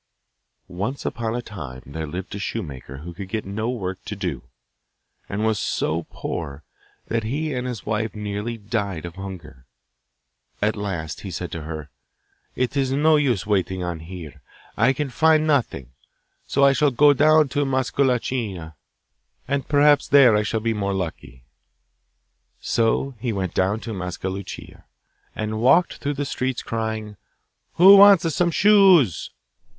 Once upon a time there lived a shoemaker who could get no work to do, and was so poor that he and his wife nearly died of hunger. At last he said to her, 'It is no use waiting on here I can find nothing; so I shall go down to Mascalucia, and perhaps there I shall be more lucky.' So down he went to Mascalucia, and walked through the streets crying, 'Who wants some shoes?